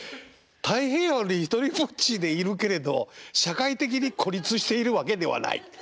太平洋に独りぼっちでいるけれど社会的に孤立しているわけではない。